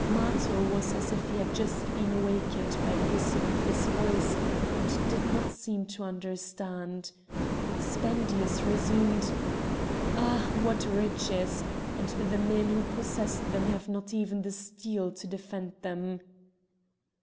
Matho was as if he had just been awaked by the hissing of his voice, and did not seem to understand. Spendius resumed: "Ah! what riches! and the men who possess them have not even the steel to defend them!"